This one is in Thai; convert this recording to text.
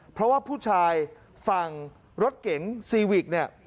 เพราะว่าผู้ชายฝั่งรถเก๋งซีวิกเนี่ย